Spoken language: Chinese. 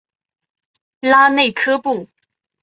拉内科布。